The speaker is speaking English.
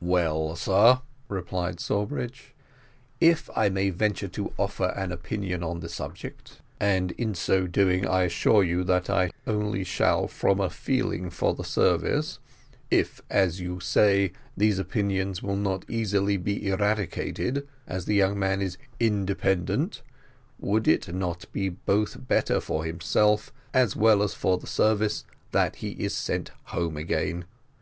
"Well sir," replied Sawbridge, "if I may venture to offer an opinion on the subject, and in so doing I assure you that I only shall from a feeling for the service if, as you say, these opinions will not easily be eradicated, as the young man is independent, would it not be both better for himself, as well as for the service, that he is sent home again?